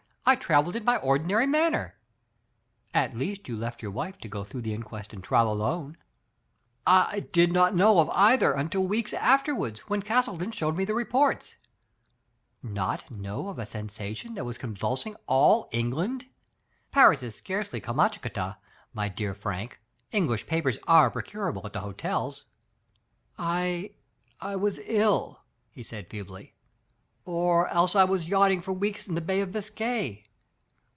I traveled in my ordinary manner." "At least you left your wife to go through the inquest and trial alone," Digitized by Google 3IO THE FATE OF FENELLA. I did not know of either until weeks after ward, when Castleton showed me the reports.*' "Not know of a sensation that was convulsing all England? Paris is scarcely Kamschatka, my dear Frank. English papers are procurable at the hotels." *'I — I was ill," he said feebly, "or else I was yachting for weeks in the Bay of Biscay.